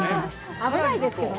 危ないですけどね。